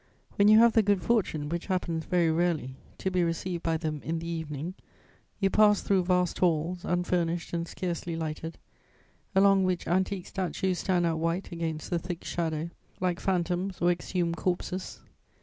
When you have the good fortune, which happens very rarely, to be received by them in the evening, you pass through vast halls, unfurnished and scarcely lighted, along which antique statues stand out white against the thick shadow, like phantoms or exhumed corpses.